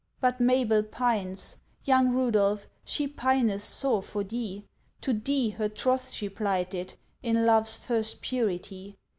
But Mabel pines; young Rudolph, She pineth sore for thee; To thee her troth she plighted, In love's first purity.